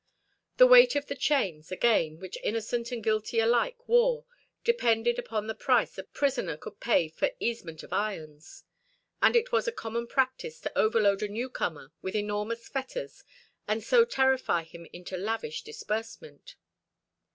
The weight of the chains, again, which innocent and guilty alike wore, depended upon the price a prisoner could pay for "easement of irons," and it was a common practice to overload a newcomer with enormous fetters and so terrify him into lavish disbursement.